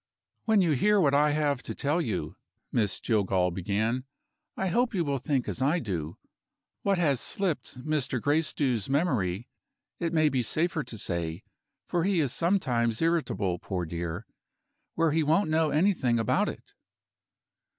"When you hear what I have to tell you," Miss Jillgall began, "I hope you will think as I do. What has slipped Mr. Gracedieu's memory, it may be safer to say for he is sometimes irritable, poor dear where he won't know anything about it."